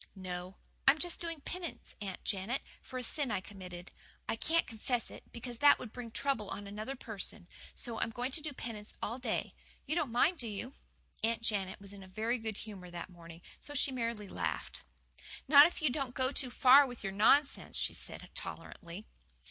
"No. I am just doing penance, Aunt Janet, for a sin I committed. I can't confess it, because that would bring trouble on another person. So I'm going to do penance all day. You don't mind, do you?" Aunt Janet was in a very good humour that morning, so she merely laughed. "Not if you don't go too far with your nonsense," she said tolerantly.